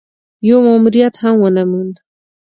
يو ماموريت هم ونه موند.